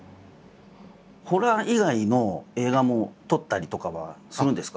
ホラー以外の映画も撮ったりとかはするんですか？